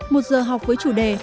một giờ học với chủ đề